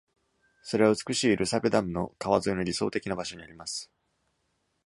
それは、美しいルサペダムの川沿いの理想的な場所にあります。